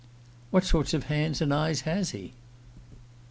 "What sort of hands and eyes has he?"